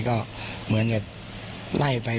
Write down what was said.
ก็เหมือนจะไล่ไปแบบ